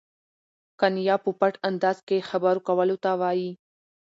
کنایه په پټ انداز کښي خبرو کولو ته وايي.